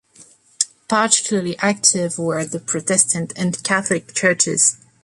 Particularly active were the Protestant and Catholic churches.